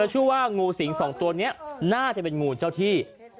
หนูก็ว่าน่าจะเป็นงูเจ้าที่